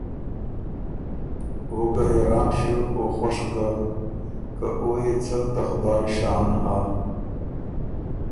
او ګۀ حېران ݭیوک او خؤش ګۀ، که او يې څۀ ته خدایٛ شان هۀ